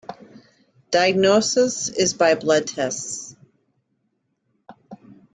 Diagnosis is by blood tests.